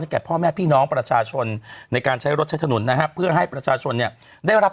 ให้แก่พ่อแม่พี่น้องประชาชนในการใช้รถใช้สนุนนะครับ